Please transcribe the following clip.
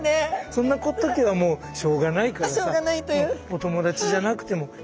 そんな時はもうしょうがないからさお友達じゃなくてもいい。